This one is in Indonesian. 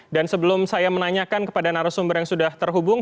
dan sebelum saya menanyakan kepada narasumber yang sudah terhubung